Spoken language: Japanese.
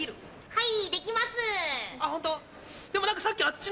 はい。